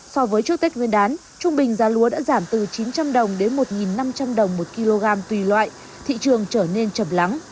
so với trước tết nguyên đán trung bình giá lúa đã giảm từ chín trăm linh đồng đến một năm trăm linh đồng một kg tùy loại thị trường trở nên chầm lắng